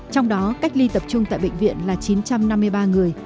trong đó cách ly tập trung tại bệnh viện là chín trăm năm mươi ba người